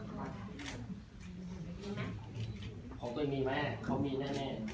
ของตัวเองมีมั้ยเขามีแน่